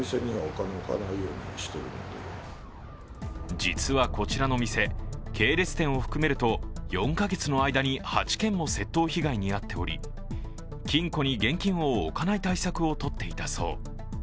実はこちらのお店、系列店を含めると４か月の間に８件も窃盗被害に遭っており金庫に現金を置かない対策をとっていたそう。